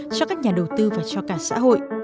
cho các nhà đầu tư và cho cả xã hội